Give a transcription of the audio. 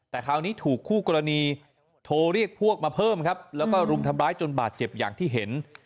แต่คราวนี้ถูกคู่กรณีโทรเรียกพวกมาเพิ่มครับแล้วก็รุมทำร้ายจนบาดเจ็บอย่างที่เห็น